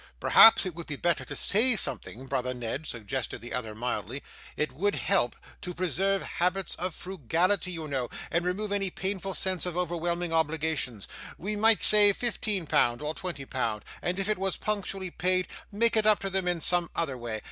'Perhaps it would be better to say something, brother Ned,' suggested the other, mildly; 'it would help to preserve habits of frugality, you know, and remove any painful sense of overwhelming obligations. We might say fifteen pound, or twenty pound, and if it was punctually paid, make it up to them in some other way.